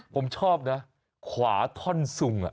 ผมชอบนะขวาท่อนซุง